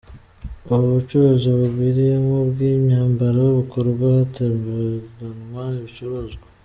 Ubu bucuruzi bugwiriyemo ubw’imyambaro bukorwa hatemberanwa ibicuruzwa.